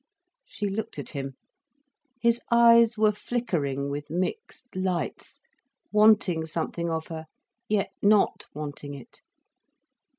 She looked at him. His eyes were flickering with mixed lights, wanting something of her, yet not wanting it.